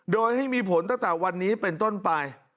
โดยให้มีผลตั้งแต่วันนี้เป็นต้นไป